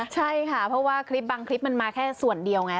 ใช่ค่ะเพราะว่าคลิปบางคลิปมันมาแค่ส่วนเดียวไง